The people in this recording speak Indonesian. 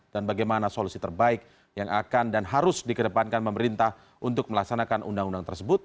dan bagaimana solusi terbaik yang akan dan harus dikedepankan pemerintah untuk melaksanakan undang undang tersebut